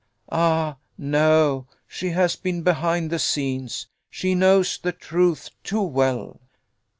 Ah! no; she has been behind the scenes she knows the truth too well!